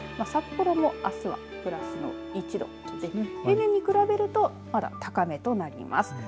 札幌もあすはプラスの１度平年に比べるとまだ高めとなります。